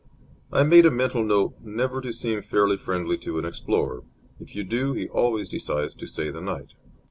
I made a mental note never to seem fairly friendly to an explorer. If you do, he always decides to stay the night.